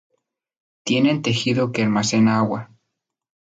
Tienen tejido que almacena agua.